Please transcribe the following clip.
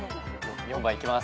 ４番いきます。